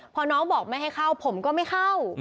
พอน้องบอกไม่ให้เข้าผมก็ไม่เข้า